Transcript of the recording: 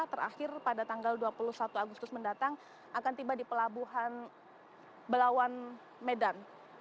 terakhir pada tanggal dua puluh satu agustus mendatang akan tiba di pelabuhan belawan medan